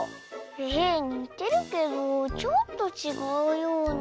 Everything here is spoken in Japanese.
えにてるけどちょっとちがうような。